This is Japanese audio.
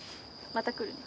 また来るね。